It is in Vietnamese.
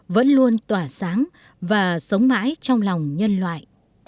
vẫn luôn tỏa sáng và sống mãi trong lòng nhân loại